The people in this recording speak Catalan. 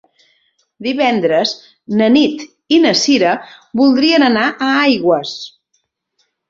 Divendres na Nit i na Cira voldrien anar a Aigües.